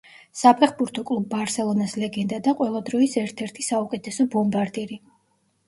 საფეხბურთო კლუბ ბარსელონას ლეგენდა და ყველა დროის ერთ-ერთი საუკეთესო ბომბარდირი.